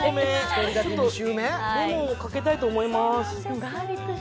レモンをかけたいと思います。